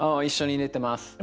一緒に寝てます。